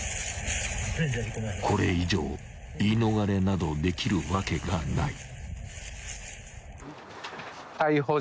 ［これ以上言い逃れなどできるわけがない］